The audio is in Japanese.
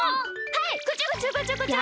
はいこちょこちょこちょこちょ。